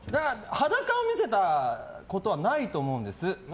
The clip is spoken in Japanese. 裸を見せたことはないと思うんです。